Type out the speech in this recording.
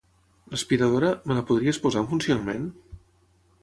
L'aspiradora, me la podries posar en funcionament?